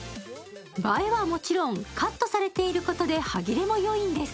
映えはもちろん、カットされていることで歯切れもいいんです。